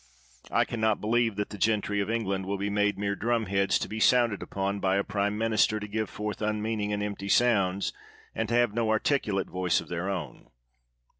I can not believe that the gentry of England will be made mere drumheads to be sounded upon by a prime minister to give forth unmeaning and emptA' sounds, and to have no articulate voice of their own.